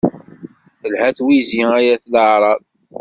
Telha twizi ay at leεraḍ.